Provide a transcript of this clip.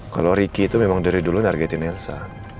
kalau ricky itu memang dari dulu targetin yelusa